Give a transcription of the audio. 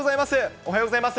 おはようございます。